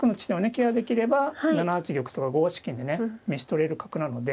ケアできれば７八玉とか５八金でね召し捕れる角なので。